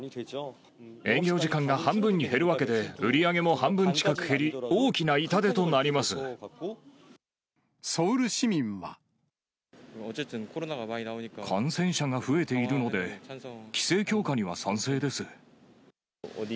営業時間が半分に減るわけで、売り上げも半分近く減り、ソウル市民は。感染者が増えているので、規制強化には賛成です。